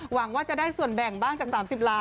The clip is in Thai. หวังว่าจะได้ส่วนแบ่งบ้างจาก๓๐ล้าน